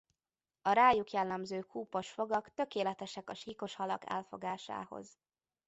A rájuk jellemző kúpos fogak tökéletesek a síkos halak elfogásához.